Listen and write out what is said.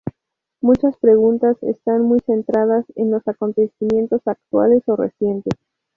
Muchas preguntas están muy centradas en los acontecimientos actuales o recientes.